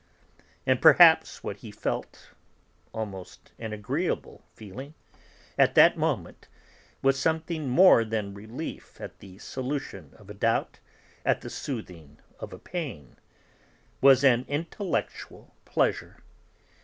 And, perhaps, what he felt (almost an agreeable feeling) at that moment was something more than relief at the solution of a doubt, at the soothing of a pain; was an intellectual pleasure.